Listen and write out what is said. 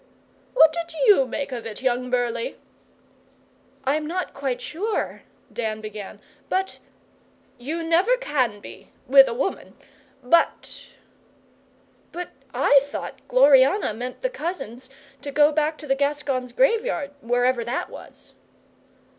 'Eh? What did you make of it, young Burleigh?' 'I'm not quite sure,' Dan began, 'but ' 'You never can be with a woman. But ?' 'But I thought Gloriana meant the cousins to go back to the Gascons' Graveyard, wherever that was.